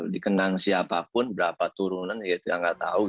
dikenang siapapun berapa turunan ya kita nggak tahu